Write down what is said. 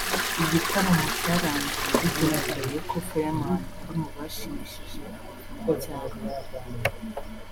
Igitaaramo cyarangiye bigaragaye ko ‘Fireman’ ari mu bashimishije abafana cyane